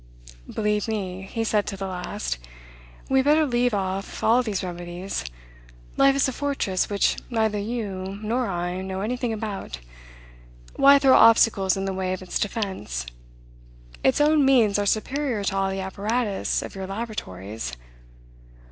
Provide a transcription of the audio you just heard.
"Believe me, "he said to the last, "we had better leave off all these remedies: life is a fortress which neither you nor I know anything about. Why throw obstacles in the way of its defense? Its own means are superior to all the apparatus of your laboratories.